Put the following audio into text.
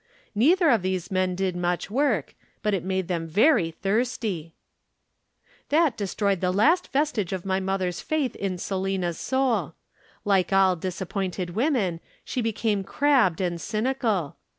Neither of these men did much work, but it made them very thirsty. [Illustration: Lowering the Beer.] "That destroyed the last vestige of my mother's faith in Selina's soul. Like all disappointed women, she became crabbed and cynical.